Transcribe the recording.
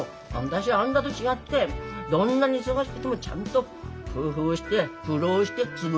私あんたと違ってどんなに忙しくてもちゃんと工夫して苦労して作ってました。